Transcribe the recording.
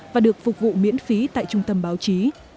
và được phục vụ miễn phí tại trung tâm báo chí